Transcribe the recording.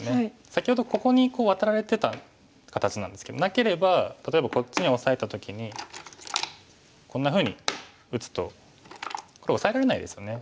先ほどここにワタられてた形なんですけどなければ例えばこっちにオサえた時にこんなふうに打つと黒オサえられないですよね。